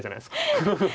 フフフフ。